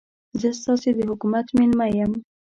زه ستاسې د حکومت مېلمه یم.